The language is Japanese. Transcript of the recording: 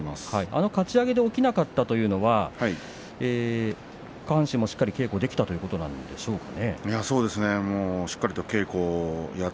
あのかち上げで起きなかったというのは下半身もしっかり稽古できているということでしょうか。